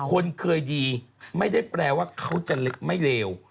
คนเคยดีไม่ได้แปลว่าเขาจะเล็กไม่เลว